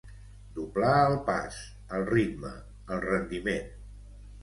Doblar el pas, el ritme, el rendiment.